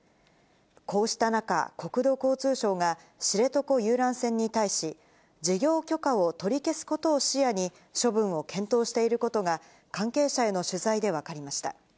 こうした中、国土交通省が、知床遊覧船に対し、事業許可を取り消すことを視野に、処分を検討していることが、関係者への取材で分かりました。